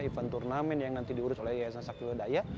event turnamen yang nanti diurus oleh yayasan saktiwadaya